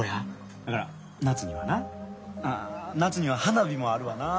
だから夏にはな夏には花火もあるわな。